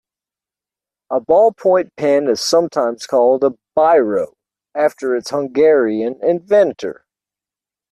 A ballpoint pen is sometimes called a Biro, after its Hungarian inventor